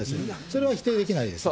それは否定できないです。